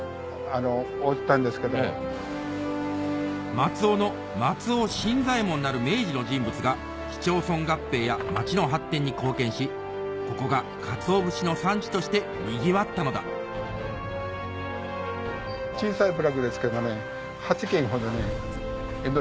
松尾の松尾新左衛門なる明治の人物が市町村合併や町の発展に貢献しここがカツオ節の産地としてにぎわったのだ小さい集落ですけど。